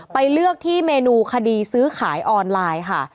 ไปเลือกที่เมนูคดีซื้อขายออนไลน์ค่ะ